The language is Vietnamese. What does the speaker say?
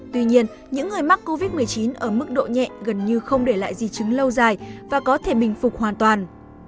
tuy nhiên những người mắc covid một mươi chín ở mức độ nhẹ gần như không để lại di chứng lâu dài và có thể bình phục hoàn toàn